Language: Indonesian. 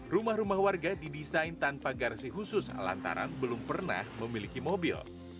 rumah rumah warga didesain tanpa garasi khusus lantaran belum pernah memiliki mobil